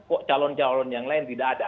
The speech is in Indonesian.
kok calon calon yang lain tidak ada